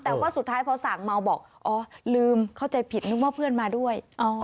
แต่ว่าสุดท้ายพอสั่งเมาบอกอ๋อลืมเข้าใจผิดนึกว่าเพื่อนมาด้วย